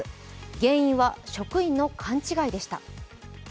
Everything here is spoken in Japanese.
原因は職員の勘違いでした。